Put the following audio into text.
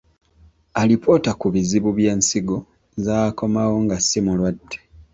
Alipoota ku bizibu by'ensigo zaakomawo nga si mulwadde.